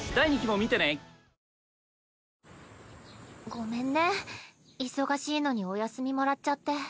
ごめんね忙しいのにお休みもらっちゃって。